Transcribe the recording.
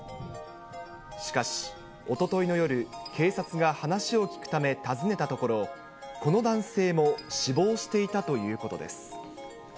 しかし、おとといの夜、警察が話を聞くため訪ねたところ、この男性も死亡していたということです。